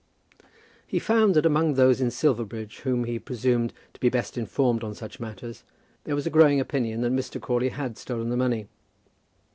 He found that among those in Silverbridge whom he presumed to be best informed on such matters, there was a growing opinion that Mr. Crawley had stolen the money.